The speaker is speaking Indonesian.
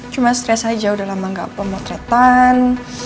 cuma stres aja udah lama gak pemotretan